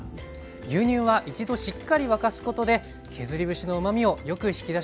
牛乳は一度しっかり沸かすことで削り節のうまみをよく引き出しましょう。